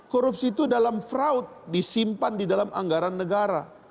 korupsi itu dalam fraud disimpan di dalam anggaran negara